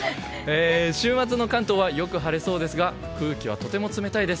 週末の関東はよく晴れそうですが空気はとても冷たいです。